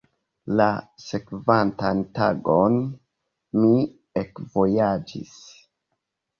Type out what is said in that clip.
La sekvantan tagon mi ekvojaĝis.